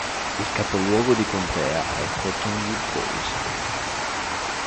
Il capoluogo di contea è Cottonwood Falls